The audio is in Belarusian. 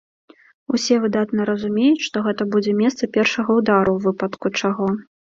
Усе выдатна разумеюць, што гэта будзе месцам першага ўдару ў выпадку чаго.